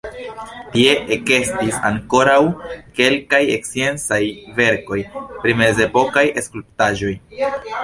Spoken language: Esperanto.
Tie ekestis ankoraŭ kelkaj sciencaj verkoj pri mezepokaj skulptaĵoj.